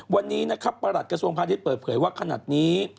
วันนี้ประหลัดกระทรวงภาคทิศเปิดเผยว่าขนาดนี้